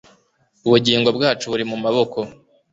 ubugingo bwacu buri mumaboko